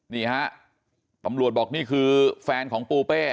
นี่ฮะตำรวจบอกนี่คือแฟนของปูเป้